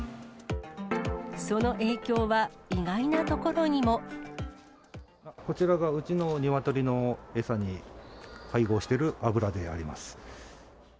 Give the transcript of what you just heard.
その影響は、意外なところにも。こちらがうちのニワトリの餌に配合している油であります。